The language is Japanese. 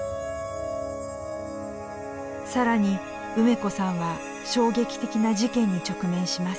更に梅子さんは衝撃的な事件に直面します。